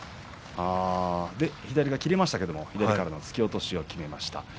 左が切れましたけれども左からの突き落としをきめました。